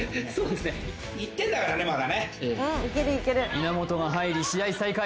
稲本が入り試合再開